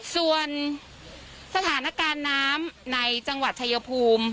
ส่วนสถานการณ์น้ำในจังหวัดชายภูมิ